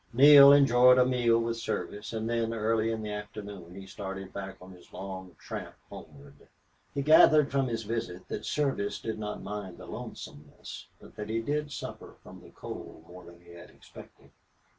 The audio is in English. Neale enjoyed a meal with Service, and then, early in the afternoon, he started back on his long tramp homeward. He gathered from his visit that Service did not mind the lonesomeness, but that he did suffer from the cold more than he had expected.